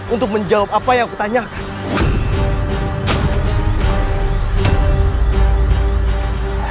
untuk menjawab apa yang kau inginkan